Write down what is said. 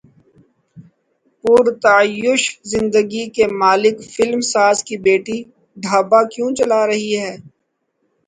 پرتعیش زندگی کے مالک فلم ساز کی بیٹی ڈھابہ کیوں چلا رہی ہے